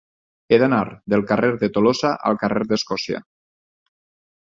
He d'anar del carrer de Tolosa al carrer d'Escòcia.